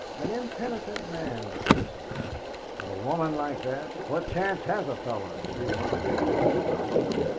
"An impenitent man," he said. "But a woman like that! What chance has a fellow if she once gets hold of him?"